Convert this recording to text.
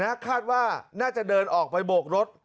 คาดว่าน่าจะเดินออกไปโบกรถ